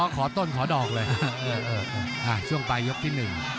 ขอต้นขอดอกเรื่อยไปช่วงตลายยกที่๑